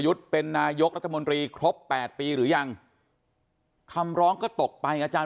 เป็นนายกรัฐมนตรีครบ๘ปีหรือยังคำร้องก็ตกไปอาจารย์